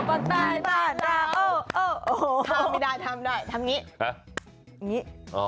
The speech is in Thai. ปักใต้บ้านเราทำไมไม่ได้ทำไมไม่ได้ทำงี้